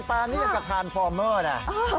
แปลนนี่กับทานฟอร์เมอร์น่ะ